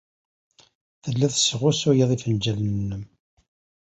Telliḍ tesɣusuyeḍ ifenjalen-nnem.